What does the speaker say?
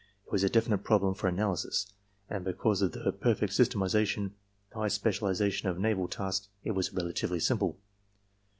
It was a definite problem for analysis; and, because of the perfect systematization and high specialization of naval tasks it was relatively simple.